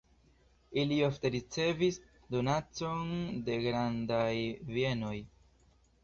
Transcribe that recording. Ili ofte ricevis donacojn de grandaj bienoj.